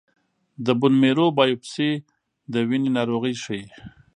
د بون میرو بایوپسي د وینې ناروغۍ ښيي.